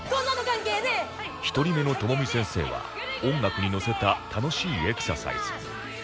１人目の朋美先生は音楽にのせた楽しいエクササイズ